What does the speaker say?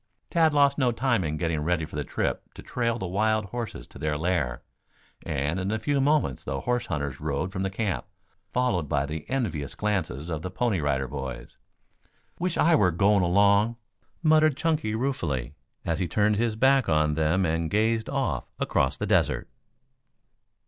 Tad lost no time in getting ready for the trip to trail the wild horses to their lair, and in a few moments the horse hunters rode from the camp, followed by the envious glances of the Pony Rider Boys. "Wish I were going along," muttered Chunky ruefully, as he turned his back on them and gazed off across the desert.